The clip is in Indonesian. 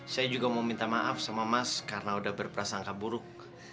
saya juga mau minta maaf sama mas karena udah berprasangka buruk